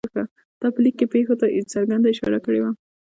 تا په لیک کې پېښو ته څرګنده اشاره کړې وه.